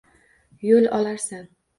Yo’l olarsan